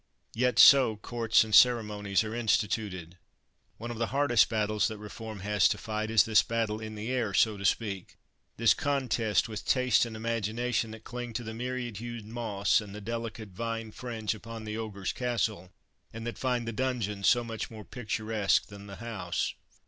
Yet, so courts and ceremonies are instituted. One of the hardest battles that reform has to fight is this battle in the air so to speak: this contest with taste and imagination that cling to the myriad hued moss and the delicate vine fringe upon the ogre's castle, and that find the donjon so much more picturesque than the house.